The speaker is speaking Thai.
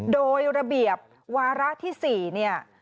โดยระเบียบวาระที่๔